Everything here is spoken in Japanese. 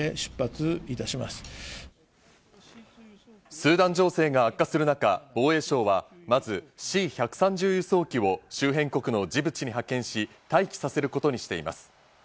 スーダン情勢が悪化する中、防衛省はまず「Ｃ１３０輸送機」を周辺国のジブチに派遣し、待機させることにしています。